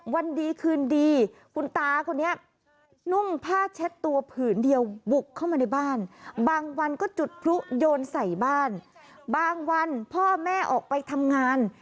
วันดีคืนดีคุณตาคนนี้นุ่งผ้าเช็ดตัวผืนเดียวบุกเข้ามาในบ้านบางวันก็จุดพลุโยนใส่บ้านบางวันพ่อแม่ออกไปทำงาน